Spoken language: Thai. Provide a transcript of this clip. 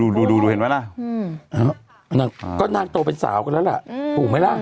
หูไหมล่ะใช่นี่เห็นไหมล่ะนางก็นางโตเป็นสาวกันแล้วล่ะหูไหมล่ะ